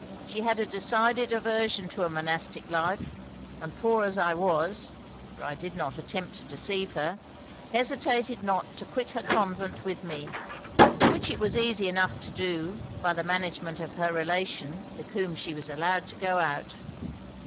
She had a decided aversion to a monastic life; and poor as I was, (for I did not attempt to deceive her,) hesitated not to quit her convent with me, which it was easy enough to do by the management of her relation, with whom she was allowed to go out.